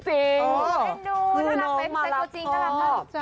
คุณมารับทอบ